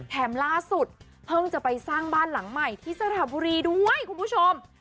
ล่าสุดเพิ่งจะไปสร้างบ้านหลังใหม่ที่สระบุรีด้วยคุณผู้ชม